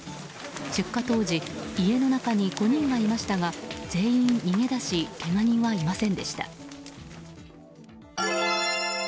出火当時家の中に５人がいましたが全員、逃げ出しけが人はいませんでした。